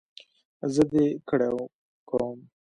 زه زده کړې کوم.